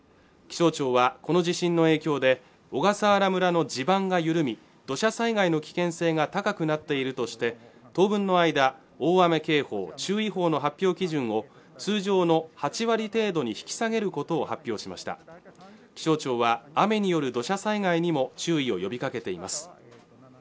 気象庁はこの地震の影響で小笠原村の地盤が緩み土砂災害の危険性が高くなっているとして当分の間大雨警報注意報の発表基準を通常の８割程度に引き下げることを発表しました気象庁は雨による土砂災害にも注意を呼びかけています